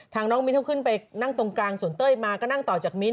น้องมิ้นเขาขึ้นไปนั่งตรงกลางส่วนเต้ยมาก็นั่งต่อจากมิ้นท